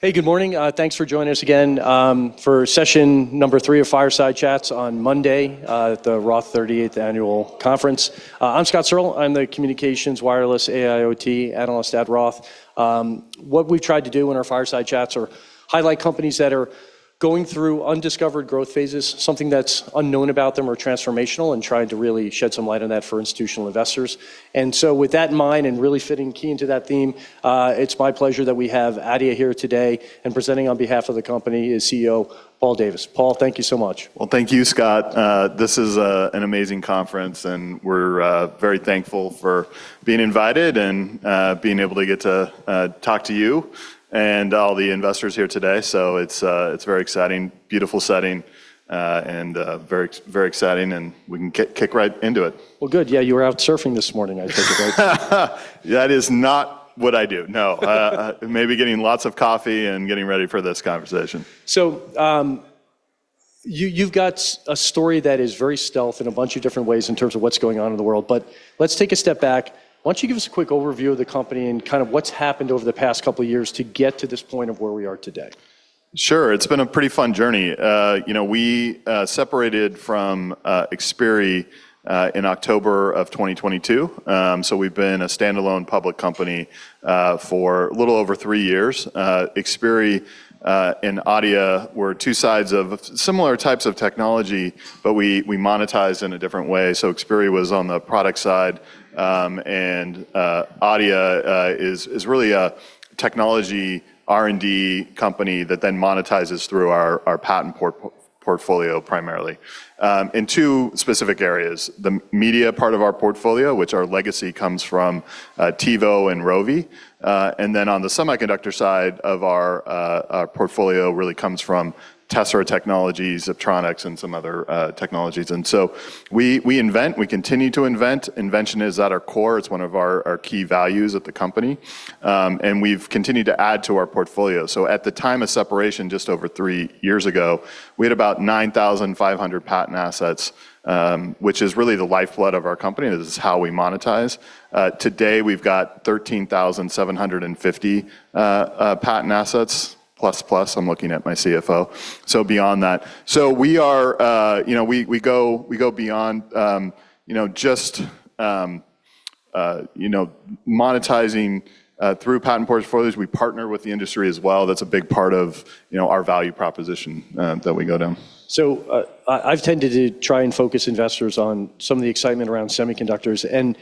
Hey, good morning. Thanks for joining us again, for Session number 3 of Fireside Chats on Monday, at the Roth 30th Annual Conference. I'm Scott Searle. I'm the Communications Wireless AIoT Analyst at Roth. What we try to do in our Fireside Chats are highlight companies that are going through undiscovered growth phases, something that's unknown about them or transformational, and trying to really shed some light on that for institutional investors. With that in mind, and really fitting key into that theme, it's my pleasure that we have Adeia here today. Presenting on behalf of the company is CEO Paul Davis. Paul, thank you so much. Well, thank you, Scott. This is an amazing conference, and we're very thankful for being invited and being able to get to talk to you and all the investors here today. It's very exciting. Beautiful setting and very exciting, and we can kick right into it. Well, good. Yeah, you were out surfing this morning, I take it, right? That is not what I do. No. Maybe getting lots of coffee and getting ready for this conversation. You've got a story that is very stealth in a bunch of different ways in terms of what's going on in the world. Let's take a step back. Why don't you give us a quick overview of the company and kind of what's happened over the past couple years to get to this point of where we are today? Sure. It's been a pretty fun journey. You know, we separated from Xperi in October 2022. We've been a standalone public company for a little over three years. Xperi and Adeia were two sides of similar types of technology, but we monetized in a different way. Xperi was on the product side, and Adeia is really a technology R&D company that then monetizes through our patent portfolio primarily in two specific areas. The media part of our portfolio, which our legacy comes from TiVo and Rovi. On the semiconductor side of our portfolio really comes from Tessera Technologies, Ziptronix, and some other technologies. We invent. We continue to invent. Invention is at our core. It's one of our key values at the company. We've continued to add to our portfolio. At the time of separation just over three years ago, we had about 9,500 patent assets, which is really the lifeblood of our company. This is how we monetize. Today we've got 13,750 patent assets, plus. I'm looking at my CFO. Beyond that. We are, you know, we go beyond, you know, just you know monetizing through patent portfolios. We partner with the industry as well. That's a big part of, you know, our value proposition, that we go down. I've tended to try and focus investors on some of the excitement around semiconductors and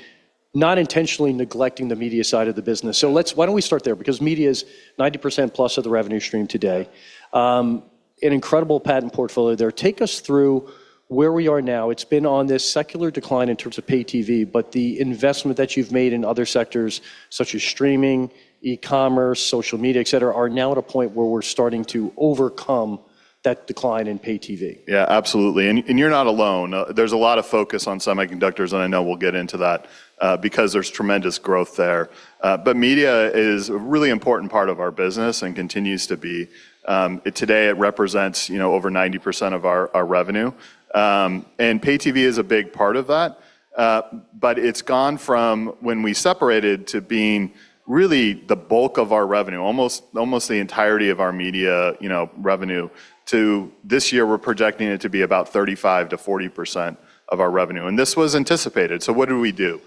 not intentionally neglecting the media side of the business. Yeah. Why don't we start there? Because media is 90%+ of the revenue stream today. Right. An incredible patent portfolio there. Take us through where we are now. It's been on this secular decline in terms of pay TV, but the investment that you've made in other sectors, such as streaming, e-commerce, social media, et cetera, are now at a point where we're starting to overcome that decline in pay-TV. Yeah, absolutely. You're not alone. There's a lot of focus on semiconductors, and I know we'll get into that, because there's tremendous growth there. Media is a really important part of our business and continues to be. Today it represents, you know, over 90% of our revenue. Pay-TV is a big part of that. It's gone from when we separated to being really the bulk of our revenue, almost the entirety of our media, you know, revenue, to this year we're projecting it to be about 35%-40% of our revenue. This was anticipated. What do we do?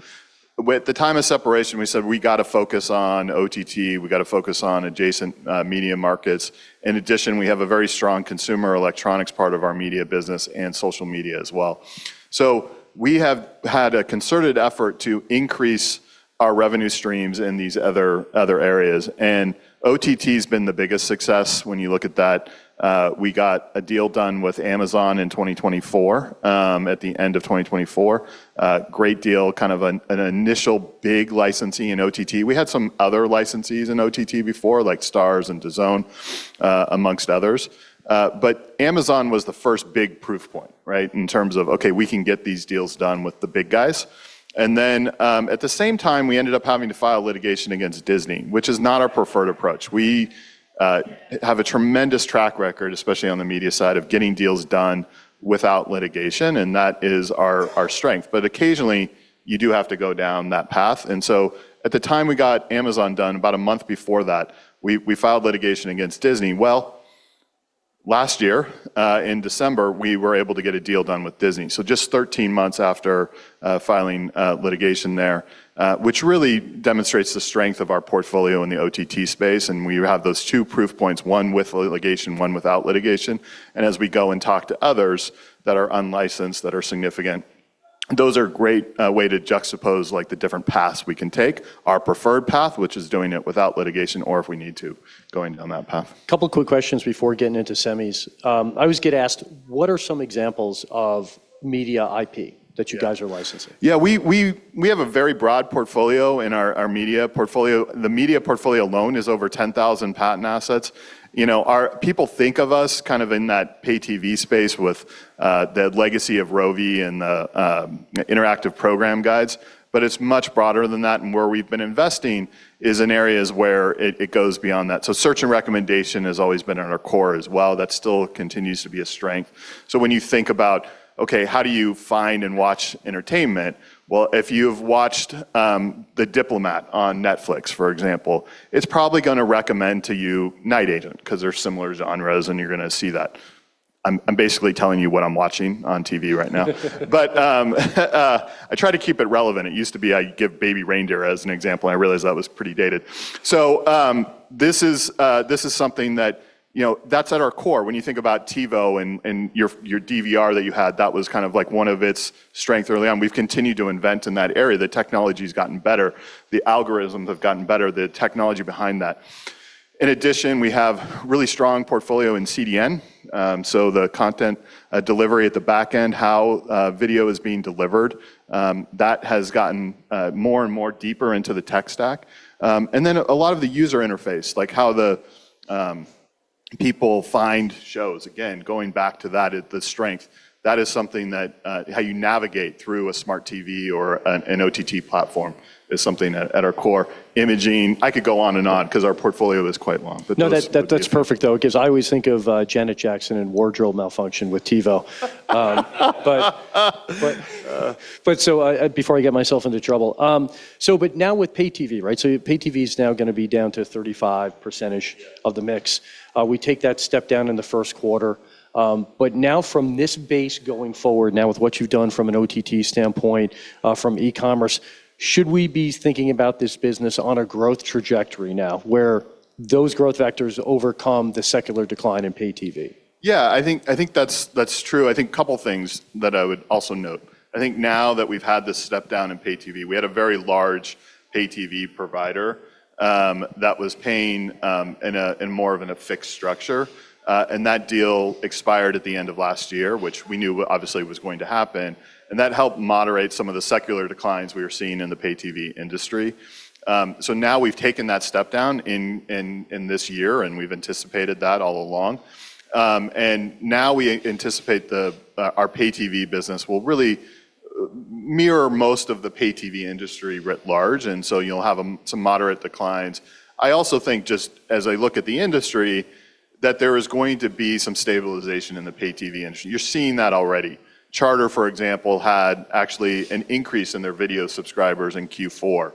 With the time of separation, we said we gotta focus on OTT, we gotta focus on adjacent media markets. In addition, we have a very strong consumer electronics part of our media business and social media as well. We have had a concerted effort to increase our revenue streams in these other areas. OTT's been the biggest success when you look at that. We got a deal done with Amazon in 2024, at the end of 2024. Great deal. Kind of an initial big licensee in OTT. We had some other licensees in OTT before, like Starz and DAZN, amongst others. But Amazon was the first big proof point, right? In terms of, okay, we can get these deals done with the big guys. Then, at the same time, we ended up having to file litigation against Disney, which is not our preferred approach. We have a tremendous track record, especially on the media side, of getting deals done without litigation, and that is our strength. Occasionally, you do have to go down that path. At the time we got Amazon done, about a month before that, we filed litigation against Disney. Last year, in December, we were able to get a deal done with Disney. Just 13 months after filing litigation there, which really demonstrates the strength of our portfolio in the OTT space. We have those two proof points, one with litigation, one without litigation. As we go and talk to others that are unlicensed, that are significant, those are great way to juxtapose, like, the different paths we can take. Our preferred path, which is doing it without litigation, or if we need to, going down that path. Couple quick questions before getting into semis. I always get asked, what are some examples of media IP that you guys are licensing? Yeah. We have a very broad portfolio in our media portfolio. The media portfolio alone is over 10,000 patent assets. You know, people think of us kind of in that pay TV space with the legacy of Rovi and interactive program guides, but it's much broader than that. Where we've been investing is in areas where it goes beyond that. Search and recommendation has always been at our core as well. That still continues to be a strength. When you think about, okay, how do you find and watch entertainment? Well, if you've watched The Diplomat on Netflix, for example, it's probably gonna recommend to you The Night Agent, 'cause they're similar genres and you're gonna see that. I'm basically telling you what I'm watching on TV right now. I try to keep it relevant. It used to be I'd give Baby Reindeer as an example. I realized that was pretty dated. This is something that, you know, that's at our core. When you think about TiVo and your DVR that you had, that was kind of like one of its strength early on. We've continued to invent in that area. The technology's gotten better. The algorithms have gotten better, the technology behind that. In addition, we have really strong portfolio in CDN. The content delivery at the back end, how video is being delivered, that has gotten more and more deeper into the tech stack. Then a lot of the user interface, like how the people find shows. Again, going back to that at the strength. That is something that how you navigate through a smart TV or an OTT platform is something at our core. Imaging. I could go on and on 'cause our portfolio is quite long. Those- No, that's perfect though, 'cause I always think of Janet Jackson and wardrobe malfunction with TiVo. Before I get myself into trouble. Now with pay-TV, right? Pay TV is now gonna be down to 35%. Yeah of the mix. We take that step down in the first quarter. Now from this base going forward, now with what you've done from an OTT standpoint, from e-commerce, should we be thinking about this business on a growth trajectory now, where those growth vectors overcome the secular decline in pay-TV? Yeah. I think that's true. I think couple things that I would also note. I think now that we've had this step down in pay-TV, we had a very large pay-TV provider that was paying in more of a fixed structure. That deal expired at the end of last year, which we knew obviously was going to happen, and that helped moderate some of the secular declines we were seeing in the pay-TV industry. Now we've taken that step down in this year, and we've anticipated that all along. Now we anticipate our pay-TV business will really mirror most of the pay-TV industry writ large, and so you'll have some moderate declines. I also think, just as I look at the industry, that there is going to be some stabilization in the pay-TV industry. You're seeing that already. Charter, for example, had actually an increase in their video subscribers in Q4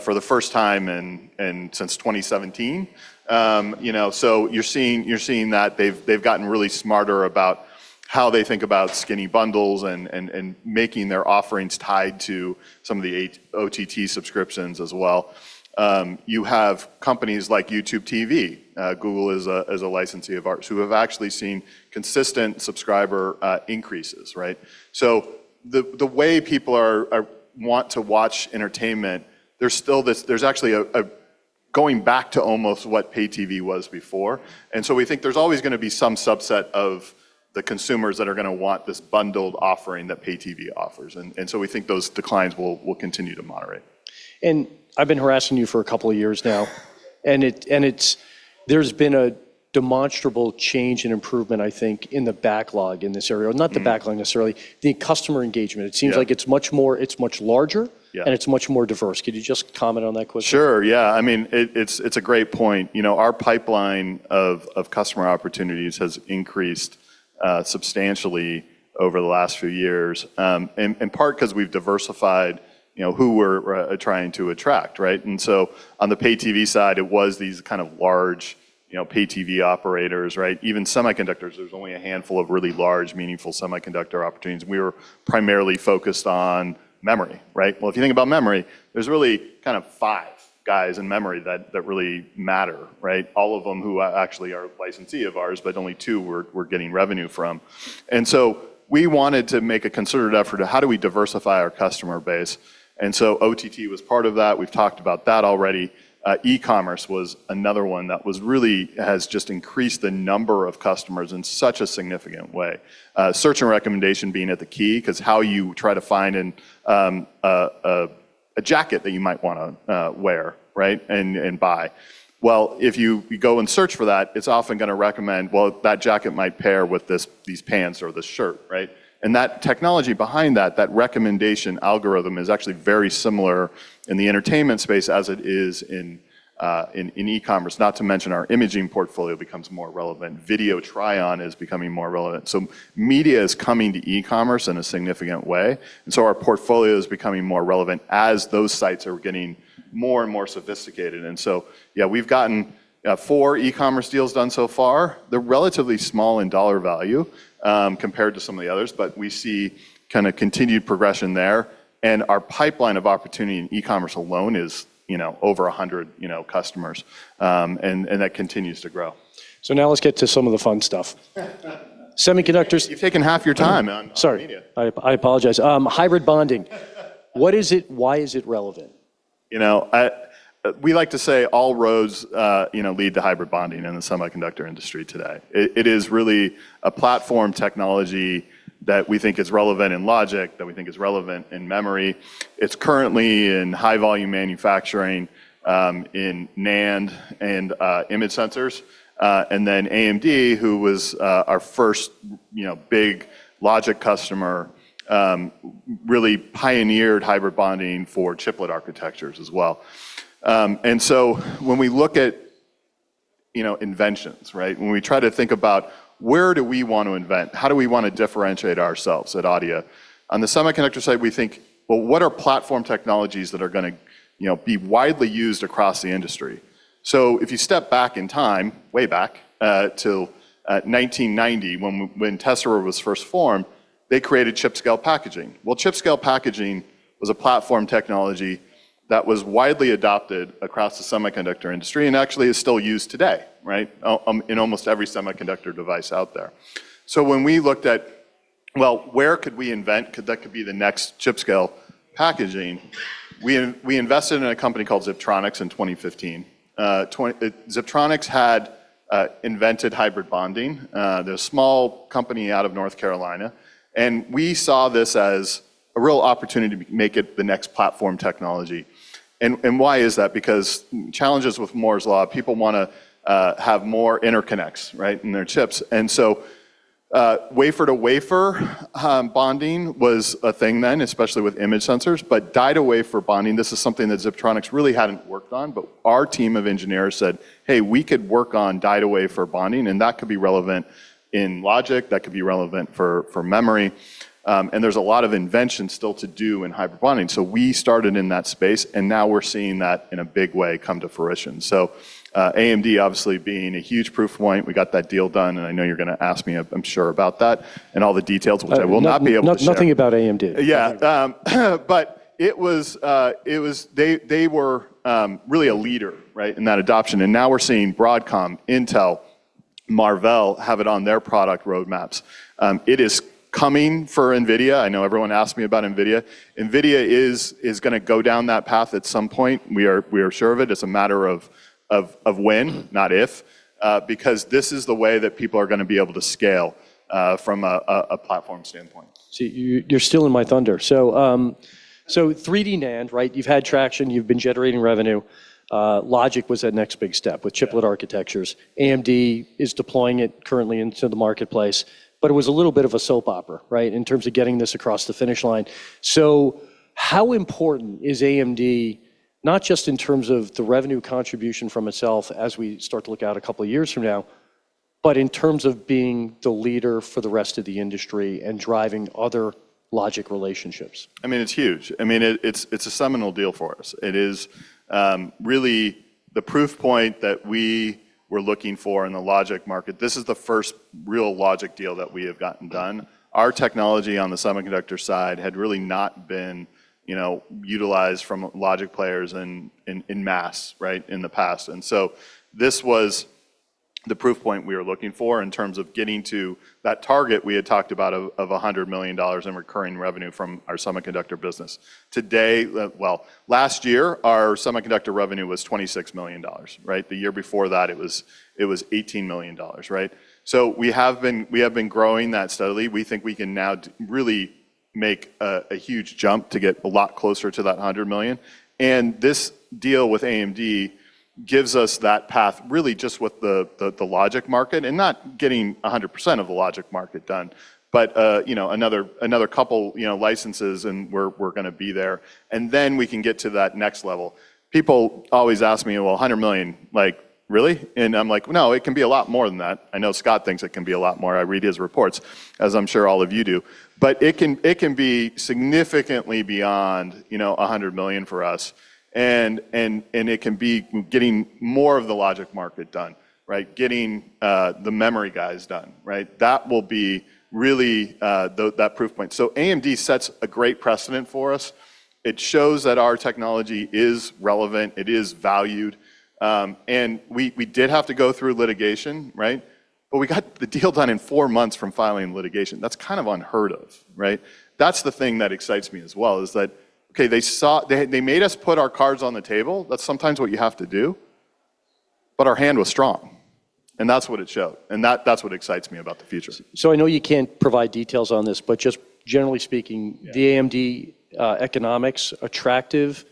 for the first time since 2017. You know, so you're seeing that. They've gotten really smarter about how they think about skinny bundles and making their offerings tied to some of the hybrid OTT subscriptions as well. You have companies like YouTube TV, Google as a licensee of ours, who have actually seen consistent subscriber increases, right? So the way people want to watch entertainment, there's actually a going back to almost what pay-TV was before. We think there's always gonna be some subset of the consumers that are gonna want this bundled offering that pay-TV offers. We think those declines will continue to moderate. I've been harassing you for a couple of years now. There's been a demonstrable change in improvement, I think, in the backlog in this area. Mm-hmm. Not the backlog necessarily. The customer engagement. Yeah. It seems like it's much larger. Yeah... it's much more diverse. Could you just comment on that quickly? Sure, yeah. I mean, it's a great point. You know, our pipeline of customer opportunities has increased substantially over the last few years, in part 'cause we've diversified, you know, who we're trying to attract, right? On the pay-TV side, it was these kind of large, you know, pay-TV operators, right? Even semiconductors, there's only a handful of really large, meaningful semiconductor opportunities, and we were primarily focused on memory, right? Well, if you think about memory, there's really kind of five guys in memory that really matter, right? All of them who actually are a licensee of ours, but only two we're getting revenue from. We wanted to make a concerted effort of how do we diversify our customer base. OTT was part of that. We've talked about that already. E-commerce was another one that was really has just increased the number of customers in such a significant way. Search and recommendation being key, 'cause how you try to find an a jacket that you might wanna wear, right, and buy. Well, if you go and search for that, it's often gonna recommend, well, that jacket might pair with these pants or this shirt, right? That technology behind that recommendation algorithm is actually very similar in the entertainment space as it is in e-commerce. Not to mention our imaging portfolio becomes more relevant. Video try-on is becoming more relevant. Media is coming to e-commerce in a significant way, and so our portfolio is becoming more relevant as those sites are getting more and more sophisticated. Yeah, we've gotten four e-commerce deals done so far. They're relatively small in dollar value, compared to some of the others, but we see kinda continued progression there. Our pipeline of opportunity in e-commerce alone is, you know, over 100, you know, customers. And that continues to grow. Now let's get to some of the fun stuff. You've taken half your time on media. Sorry. I apologize. Hybrid bonding. What is it? Why is it relevant? You know, we like to say all roads, you know, lead to hybrid bonding in the semiconductor industry today. It is really a platform technology that we think is relevant in logic, that we think is relevant in memory. It's currently in high volume manufacturing in NAND and image sensors. AMD, who was our first, you know, big logic customer, really pioneered hybrid bonding for chiplet architectures as well. When we look at, you know, inventions, right? When we try to think about where do we want to invent? How do we wanna differentiate ourselves at Adeia? On the semiconductor side, we think, "Well, what are platform technologies that are gonna, you know, be widely used across the industry?" If you step back in time, way back, till 1990 when Tessera was first formed, they created chip-scale packaging. Well, chip-scale packaging was a platform technology that was widely adopted across the semiconductor industry and actually is still used today, right? In almost every semiconductor device out there. When we looked at, well, where could we invent that could be the next chip-scale packaging, we invested in a company called Ziptronix in 2015. Ziptronix had invented hybrid bonding. They're a small company out of North Carolina, and we saw this as a real opportunity to make it the next platform technology. Why is that? Because challenges with Moore's Law, people wanna have more interconnects, right, in their chips. Wafer-to-wafer bonding was a thing then, especially with image sensors. Die-to-wafer bonding, this is something that Ziptronix really hadn't worked on, but our team of engineers said, "Hey, we could work on die-to-wafer bonding, and that could be relevant in logic. That could be relevant for memory. And there's a lot of invention still to do in hybrid bonding." We started in that space, and now we're seeing that in a big way come to fruition. AMD obviously being a huge proof point. We got that deal done, and I know you're gonna ask me, I'm sure, about that and all the details, which I will not be able to share. Nothing about AMD. Yeah. They were really a leader, right, in that adoption, and now we're seeing Broadcom, Intel, Marvell have it on their product roadmaps. It is coming for NVIDIA. I know everyone asks me about NVIDIA. NVIDIA is gonna go down that path at some point. We are sure of it. It's a matter of when, not if, because this is the way that people are gonna be able to scale from a platform standpoint. See, you're stealing my thunder. 3D NAND, right? You've had traction. You've been generating revenue. Logic was that next big step. Yeah With chiplet architectures. AMD is deploying it currently into the marketplace, but it was a little bit of a soap opera, right, in terms of getting this across the finish line. How important is AMD, not just in terms of the revenue contribution from itself as we start to look out a couple years from now, but in terms of being the leader for the rest of the industry and driving other logic relationships? I mean, it's huge. I mean, it's a seminal deal for us. It is really the proof point that we were looking for in the logic market. This is the first real logic deal that we have gotten done. Our technology on the semiconductor side had really not been, you know, utilized from logic players in mass, right, in the past. This was the proof point we were looking for in terms of getting to that target we had talked about of $100 million in recurring revenue from our semiconductor business. Today, well, last year, our semiconductor revenue was $26 million, right? The year before that, it was $18 million, right? We have been growing that steadily. We think we can now really make a huge jump to get a lot closer to that $100 million. This deal with AMD gives us that path really just with the logic market, and not getting 100% of the logic market done, but you know, another couple you know, licenses, and we're gonna be there. Then we can get to that next level. People always ask me, "Well, $100 million, like, really?" I'm like, "No, it can be a lot more than that." I know Scott thinks it can be a lot more. I read his reports, as I'm sure all of you do. It can be significantly beyond, you know, $100 million for us and it can be getting more of the logic market done, right? Getting the memory guys done, right? That will be really that proof point. AMD sets a great precedent for us. It shows that our technology is relevant. It is valued. We did have to go through litigation, right? We got the deal done in four months from filing litigation. That's kind of unheard of, right? That's the thing that excites me as well, is that, okay, they made us put our cards on the table. That's sometimes what you have to do. Our hand was strong, and that's what it showed, and that's what excites me about the future. I know you can't provide details on this, but just generally speaking. Yeah ...the AMD economics attractive?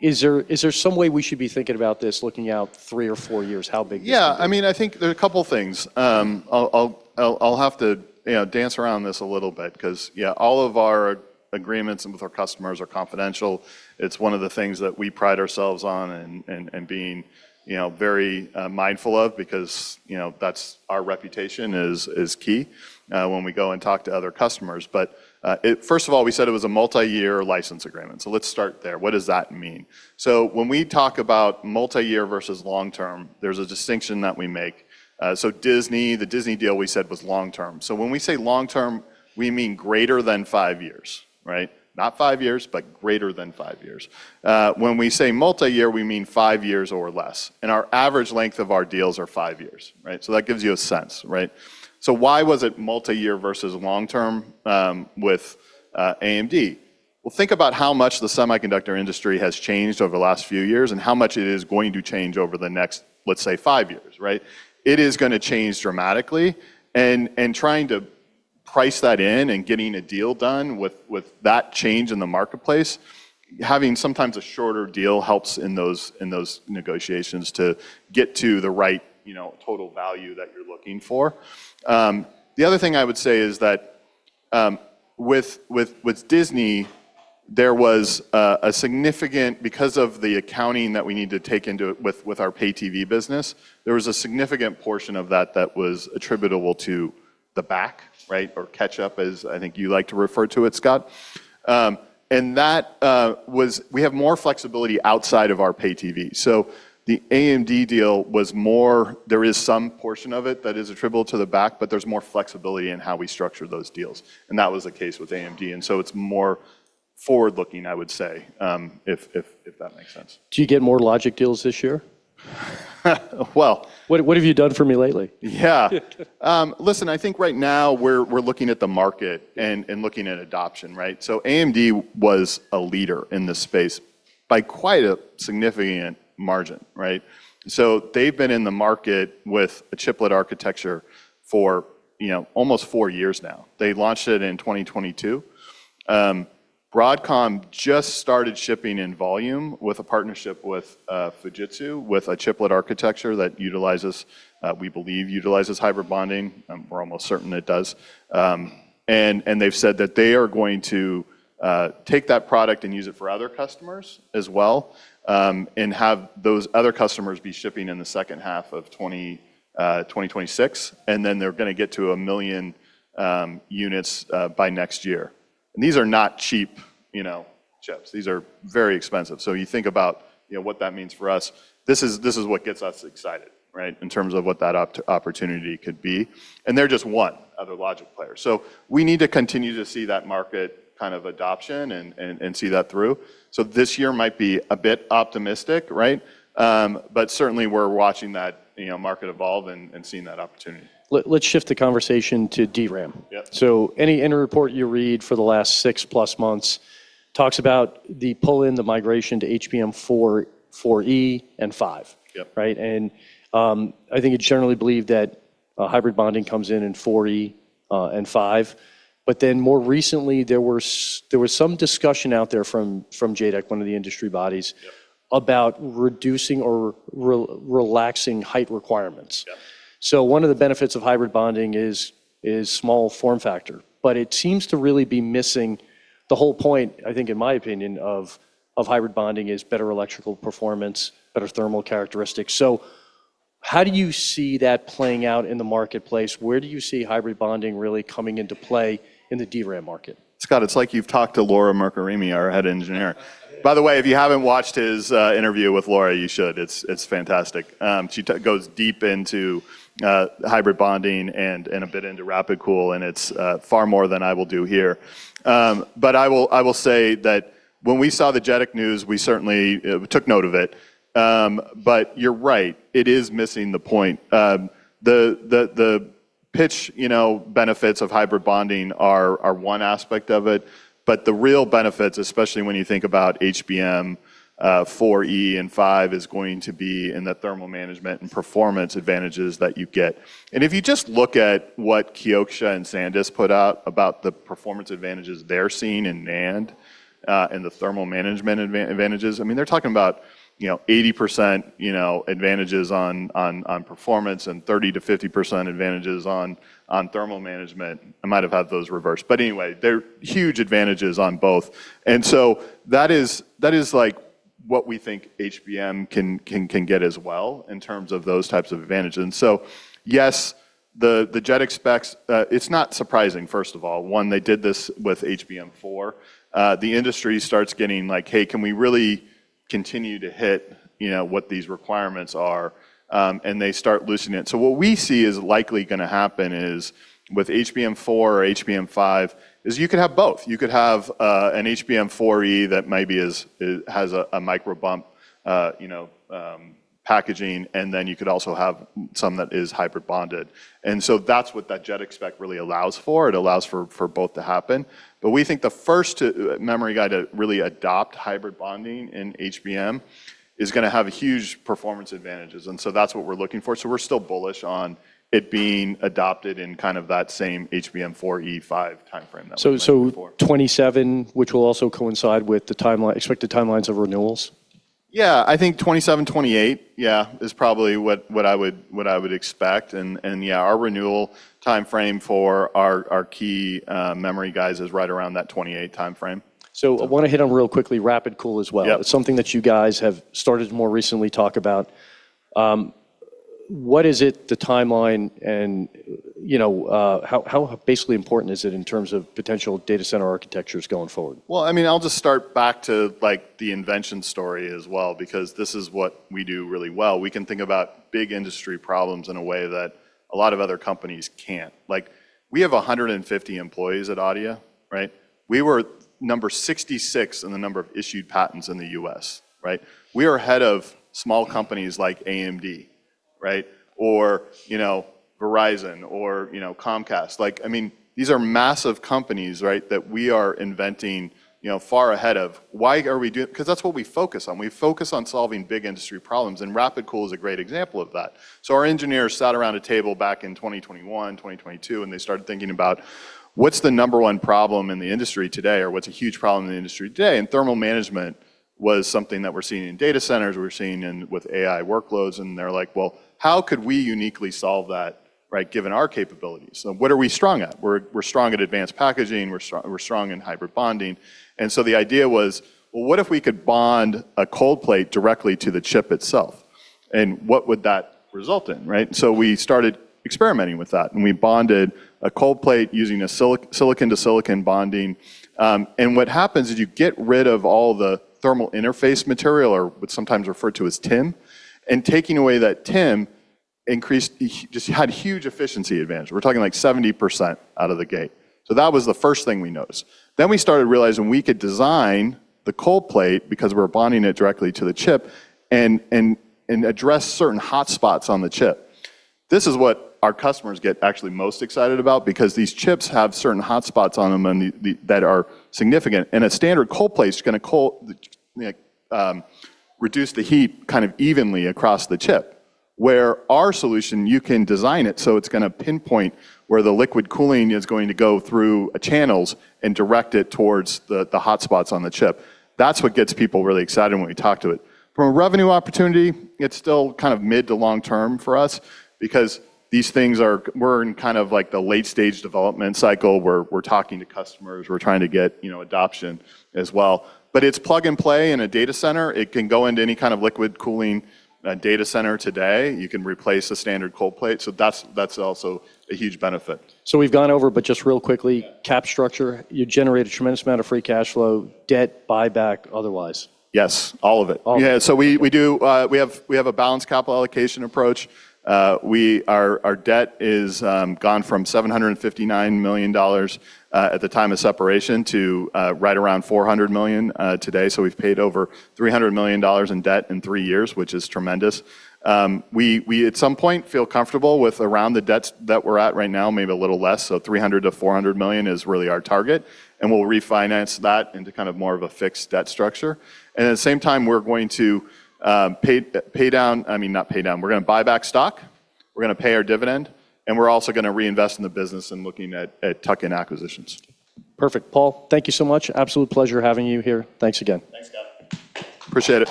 Is there some way we should be thinking about this looking out three or four years, how big this could be? Yeah, I mean, I think there are a couple things. I'll have to, you know, dance around this a little bit 'cause, yeah, all of our agreements with our customers are confidential. It's one of the things that we pride ourselves on and being, you know, very, mindful of because, you know, that's our reputation is key when we go and talk to other customers. First of all, we said it was a multi-year license agreement, let's start there. What does that mean? When we talk about multi-year versus long-term, there's a distinction that we make. Disney, the Disney deal we said was long-term. When we say long-term, we mean greater than five years, right? Not five years, but greater than five years. When we say multi-year, we mean five years or less, and our average length of our deals are five years, right? That gives you a sense, right? Why was it multi-year versus long-term with AMD? Well, think about how much the semiconductor industry has changed over the last few years and how much it is going to change over the next, let's say, five years, right? It is gonna change dramatically. Trying to price that in and getting a deal done with that change in the marketplace, having sometimes a shorter deal helps in those negotiations to get to the right, you know, total value that you're looking for. The other thing I would say is that with Disney, because of the accounting that we need to take into with our pay-TV business, there was a significant portion of that was attributable to the back, right? Or catch up as I think you like to refer to it, Scott. We have more flexibility outside of our pay-TV. There is some portion of it that is attributable to the back, but there's more flexibility in how we structure those deals. That was the case with AMD. It's more forward-looking, I would say, if that makes sense. Do you get more logic deals this year? Well- What have you done for me lately? Yeah. Listen, I think right now we're looking at the market and looking at adoption, right? AMD was a leader in this space by quite a significant margin, right? They've been in the market with a chiplet architecture for, you know, almost four years now. They launched it in 2022. Broadcom just started shipping in volume with a partnership with Fujitsu, with a chiplet architecture that utilizes, we believe, hybrid bonding. We're almost certain it does. They've said that they are going to take that product and use it for other customers as well, and have those other customers be shipping in the second half of 2026, and then they're gonna get to 1 million units by next year. These are not cheap, you know, chips. These are very expensive. You think about, you know, what that means for us. This is what gets us excited, right? In terms of what that opportunity could be. They're just one other logic player. We need to continue to see that market kind of adoption and see that through. This year might be a bit optimistic, right? Certainly we're watching that, you know, market evolve and seeing that opportunity. Let's shift the conversation to DRAM. Yeah. Any annual report you read for the last 6-plus months talks about the pull in the migration to HBM4, HBM4E, and HBM5. Yep. I think it's generally believed that hybrid bonding comes in 4E and 5. More recently, there was some discussion out there from JEDEC, one of the industry bodies. Yep about reducing or relaxing height requirements. Yeah. One of the benefits of Hybrid bonding is small form factor. It seems to really be missing the whole point, I think in my opinion, of Hybrid bonding is better electrical performance, better thermal characteristics. How do you see that playing out in the marketplace? Where do you see Hybrid bonding really coming into play in the DRAM market? Scott, it's like you've talked to Laura Mirkarimi, our head engineer. By the way, if you haven't watched her interview with Laura, you should. It's fantastic. She goes deep into hybrid bonding and a bit into RapidCool, and it's far more than I will do here. I will say that when we saw the JEDEC news, we certainly took note of it. You're right, it is missing the point. The pitch, you know, benefits of hybrid bonding are one aspect of it. The real benefits, especially when you think about HBM4E and 5, is going to be in the thermal management and performance advantages that you get. If you just look at what Kioxia and SanDisk put out about the performance advantages they're seeing in NAND, and the thermal management advantages, I mean, they're talking about, you know, 80% advantages on performance and 30%-50% advantages on thermal management. I might have had those reversed. Anyway, they're huge advantages on both. That is like what we think HBM can get as well in terms of those types of advantages. Yes, the JEDEC specs, it's not surprising, first of all. One, they did this with HBM4. The industry starts getting like, "Hey, can we really continue to hit, you know, what these requirements are?" and they start loosening it. What we see is likely gonna happen is with HBM4 or HBM5 is you could have both. You could have an HBM4E that maybe has a micro bump you know packaging, and then you could also have some that is hybrid bonded. That's what that JEDEC spec really allows for. It allows for both to happen. We think the first memory guy to really adopt hybrid bonding in HBM is gonna have huge performance advantages. That's what we're looking for. We're still bullish on it being adopted in kind of that same HBM4E5 timeframe that we mentioned before. 2027, which will also coincide with the expected timelines of renewals? Yeah. I think 2027, 2028, yeah, is probably what I would expect. Yeah, our renewal timeframe for our key memory guys is right around that 2028 timeframe. I wanna hit on real quickly RapidCool as well. Yeah. It's something that you guys have started more recently to talk about. What is it, the timeline, and, you know, how basically important is it in terms of potential data center architectures going forward? Well, I mean, I'll just start back to, like, the invention story as well, because this is what we do really well. We can think about big industry problems in a way that a lot of other companies can't. Like, we have 150 employees at Adeia, right? We were number 66 in the number of issued patents in the U.S., right? We are ahead of small companies like AMD, right? Or, you know, Verizon, or, you know, Comcast. Like, I mean, these are massive companies, right? That we are inventing, you know, far ahead of. Why are we doing that? 'Cause that's what we focus on. We focus on solving big industry problems, and RapidCool is a great example of that. Our engineers sat around a table back in 2021, 2022, and they started thinking about what's the number one problem in the industry today, or what's a huge problem in the industry today? And thermal management was something that we're seeing in data centers, we're seeing with AI workloads, and they're like, "Well, how could we uniquely solve that, right, given our capabilities?" What are we strong at? We're strong at advanced packaging, we're strong in hybrid bonding and the idea was, well, what if we could bond a cold plate directly to the chip itself, and what would that result in, right? We started experimenting with that, and we bonded a cold plate using a silicon-to-silicon bonding, and what happens is you get rid of all the thermal interface material, or what's sometimes referred to as TIM, and taking away that TIM just had huge efficiency advantage. We're talking like 70% out of the gate. That was the first thing we noticed. We started realizing we could design the cold plate, because we're bonding it directly to the chip, and address certain hotspots on the chip. This is what our customers get actually most excited about because these chips have certain hotspots on them and that are significant, and a standard cold plate's gonna reduce the heat kind of evenly across the chip. With our solution, you can design it, so it's gonna pinpoint where the liquid cooling is going to go through channels and direct it towards the hotspots on the chip. That's what gets people really excited when we talk to it. From a revenue opportunity, it's still kind of mid to long term for us because these things are we're in kind of like the late-stage development cycle. We're talking to customers. We're trying to get, you know, adoption as well. It's plug and play in a data center. It can go into any kind of liquid cooling data center today. You can replace a standard cold plate, so that's also a huge benefit. We've gone over, but just real quickly. Yeah. Capital structure, you generate a tremendous amount of free cash flow, debt, buyback, otherwise. Yes. All of it. All of it. We have a balanced capital allocation approach. Our debt is gone from $759 million at the time of separation to right around $400 million today, so we've paid over $300 million in debt in three years, which is tremendous. We at some point feel comfortable with around the debt that we're at right now, maybe a little less, so $300 million-$400 million is really our target, and we'll refinance that into kind of more of a fixed debt structure. At the same time, we're going to, I mean, not pay down. We're gonna buy back stock, we're gonna pay our dividend, and we're also gonna reinvest in the business in looking at tuck-in acquisitions. Perfect. Paul, thank you so much. Absolute pleasure having you here. Thanks again. Thanks, Scott. Appreciate it.